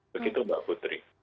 begitu mbak putri